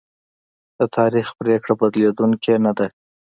د تاریخ پرېکړه بدلېدونکې نه ده.